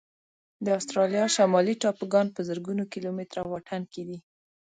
د استرالیا شمالي ټاپوګان په زرګونو کيلومتره واټن کې دي.